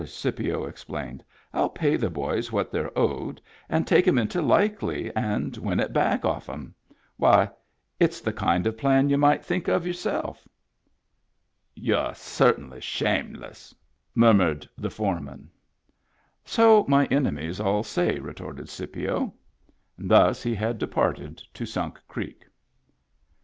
" Scipio explained. " 111 pay the boys what they're owed, and take 'em into Likely and win it back off 'em. Why, it's the kind of plan y'u might think of yourself." Digitized by Google \ SPIT CAT CREEK 73 "You're cert'nly shameless," murmured the foreman. "So my enemies all say," retorted Scipio. Thus had he departed to Sunk Creek.